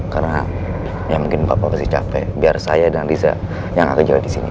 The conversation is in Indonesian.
karena ya mungkin bapak pasti capek biar saya dan riza yang akan menangkan saya ya pak